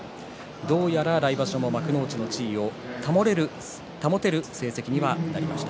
どうやら来場所も幕内の地位を保てる成績になりました。